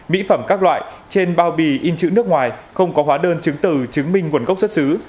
mỹ phẩm các loại trên bao bì in chữ nước ngoài không có hóa đơn chứng từ chứng minh nguồn gốc xuất xứ